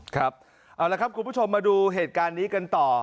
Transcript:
ครับเอาละครับคุณผู้ชมมาดูเหตุการณ์นี้กันต่อ